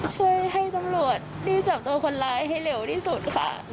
ช่วยให้ตำรวจรีบจับตัวคนร้ายให้เร็วที่สุดค่ะ